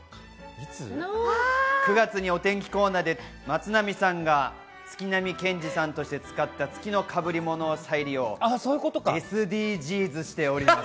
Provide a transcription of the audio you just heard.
９月にお天気コーナーで松並さんが月並けんじさんとして使った月の被り物を再利用しています。